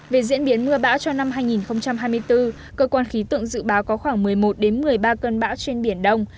về diễn biến mưa bão cho năm hai nghìn hai mươi bốn cơ quan khí tượng dự báo có khoảng một mươi một một mươi ba cơn bão trên biển đông